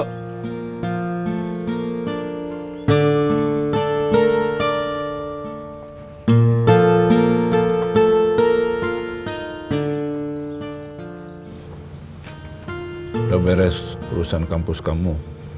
sudah beres urusan kampus kamu